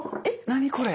何これ？